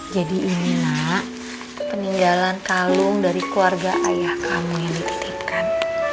jadi ini nak peninggalan kalung dari keluarga ayah kamu yang dititipkan